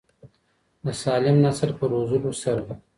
د سالم نسل په روزلو سره.